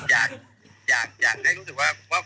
อยากอยากให้รู้สึกว่าว่ามันตีหน้า